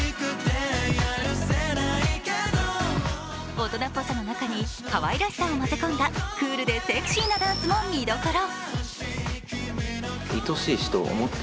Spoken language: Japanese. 大人っぽさの中にかわいらしさを混ぜ込んだ、クールでセクシーなダンスも見どころ。